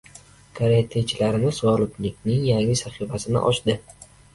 Karatechilarimiz g‘oliblikning yangi sahifasini ochdi